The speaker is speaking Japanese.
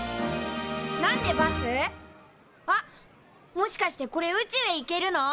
もしかしてこれ宇宙へ行けるの？